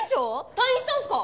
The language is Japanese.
退院したんすか？